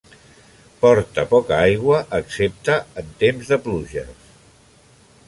Porta poca aigua excepte en temps de pluges.